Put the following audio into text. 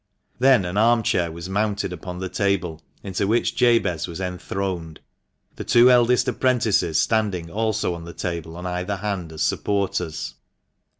Then an arm chair was mounted upon the table, in which Jabez was enthroned, the two eldest apprentices standing also on the table on either hand as supporters.